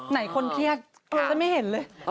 ไหนคนเครียดฉันไม่เห็นเลย